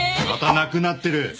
またなくなってる！